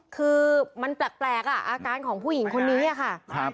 คือมันแปลกอ่ะอาการของผู้หญิงคนนี้ค่ะ